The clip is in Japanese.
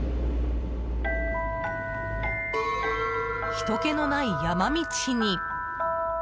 ひと気のない山道に。